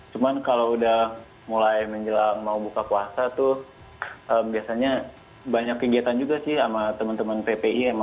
cuman kalau udah mulai menjelang mau buka puasa tuh biasanya banyak kegiatan juga sih sama teman teman ppi